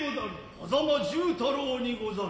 矢間重太郎にござる。